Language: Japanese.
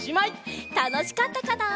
たのしかったかな？